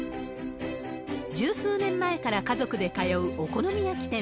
十数年前から家族で通うお好み焼き店。